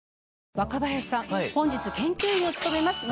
若林さん本日研究員を務めます野村です。